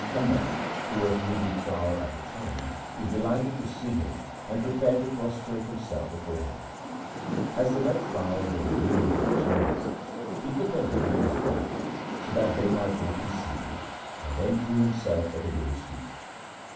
Handal, who was kneading flour at the time, was delighted to see him, and prepared to prostrate himself before him. As the wet flour was adhering to his hands, he put them behind his back, so that they might not be seen, and then threw himself at the Guru's feet.